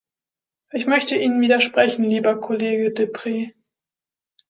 Ich möchte Ihnen widersprechen, lieber Kollege Deprez.